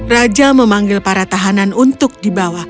raja memanggil para tahanan untuk dibawa